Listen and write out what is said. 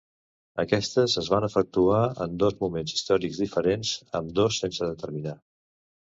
Aquestes es van efectuar en dos moments històrics diferents, ambdós sense determinar.